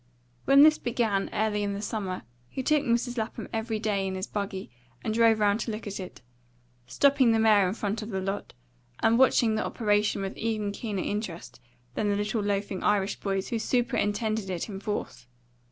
When this began, early in the summer, he took Mrs. Lapham every day in his buggy and drove round to look at it; stopping the mare in front of the lot, and watching the operation with even keener interest than the little loafing Irish boys who superintended it in force.